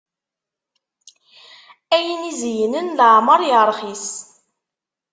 Ayen izeynen leɛmeṛ yeṛxis.